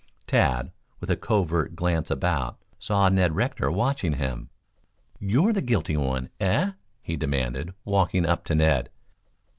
Tad, with a covert glance about, saw Ned Rector watching him. "You're the guilty one, eh?" he demanded, walking up to Ned.